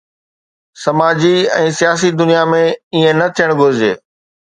سماجي ۽ سياسي دنيا ۾ ائين نه ٿيڻ گهرجي.